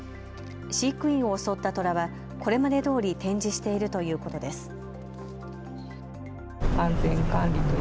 飼育員を襲ったトラはこれまでどおり展示しているということです。